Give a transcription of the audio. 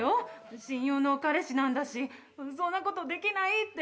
親友の彼氏なんだしそんな事できないって。